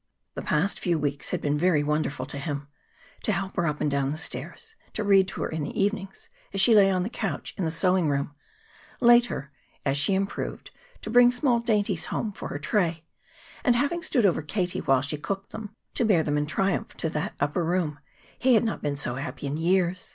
The past few weeks had been very wonderful to him: to help her up and down the stairs, to read to her in the evenings as she lay on the couch in the sewing room; later, as she improved, to bring small dainties home for her tray, and, having stood over Katie while she cooked them, to bear them in triumph to that upper room he had not been so happy in years.